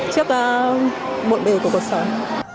trước mọi điều của cuộc sống